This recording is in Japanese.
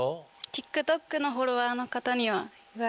ＴｉｋＴｏｋのフォロワーの方には言われます。